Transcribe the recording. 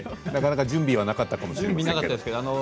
なかなか準備はなかったかもしれませんけど。